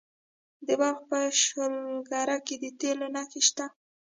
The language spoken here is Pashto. د بلخ په شولګره کې د تیلو نښې شته.